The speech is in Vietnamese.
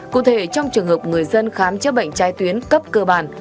cụ thể trong trường hợp người dân khám chữa bệnh trái tuyến cấp cơ bản